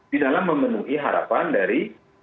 di dalam memenuhi harapan dari